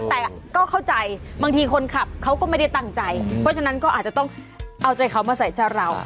แต่ก็เข้าใจบางทีคนขับเขาก็ไม่ได้ตั้งใจเพราะฉะนั้นก็อาจจะต้องเอาใจเขามาใส่ชาเรา